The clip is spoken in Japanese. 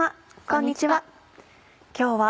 こんにちは。